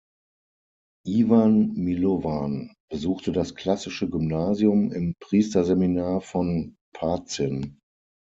Ivan Milovan besuchte das klassische Gymnasium im Priesterseminar von Pazin.